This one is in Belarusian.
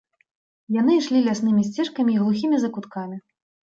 Яны ішлі ляснымі сцежкамі і глухімі закуткамі.